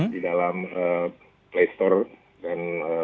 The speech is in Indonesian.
di dalam play store dan kemudian apple store